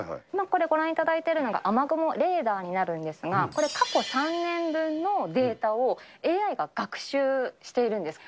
これ、ご覧いただいているのが雨雲レーダーになるんですけれども、これ、過去３年分のデータを、ＡＩが学習しているんです。